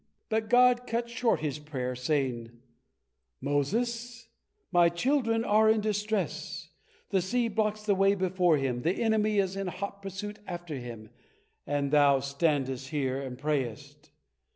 But God cut short his prayer, saying: "Moses, My children are in distress the sea blocks the way before them, the enemy is in hot pursuit after them, and thou standest here and prayest.